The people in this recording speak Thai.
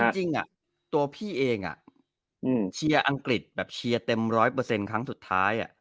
จริงตัวพี่เองเชียร์อังกฤษแบบเชียร์เต็ม๑๐๐ครั้งสุดท้าย